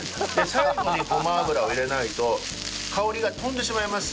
最後にごま油を入れないと香りが飛んでしまいます。